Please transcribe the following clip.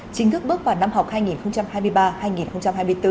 chính thức bước vào năm học hai nghìn hai mươi ba hai nghìn hai mươi bốn